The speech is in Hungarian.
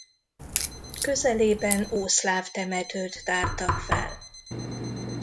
Közelében ószláv temetőt tártak fel.